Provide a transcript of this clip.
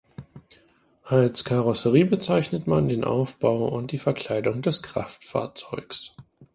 Als Karosserie bezeichnet man den Aufbau und die Verkleidung des Kraftfahrzeugs.